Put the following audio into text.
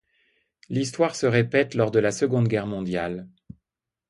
L'histoire se répète lors de la Seconde Guerre mondiale.